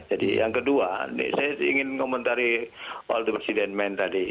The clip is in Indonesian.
yang kedua saya ingin komentari all the president men tadi